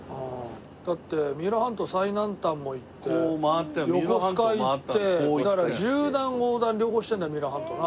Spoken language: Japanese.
だって三浦半島最南端も行って横須賀行ってだから縦断横断両方してるんだ三浦半島な。